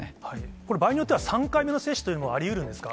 これ、場合によっては、３回目の接種というのもありうるんですか？